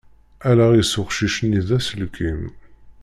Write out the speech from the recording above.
Allaɣ-is uqcic-nni d aselkim.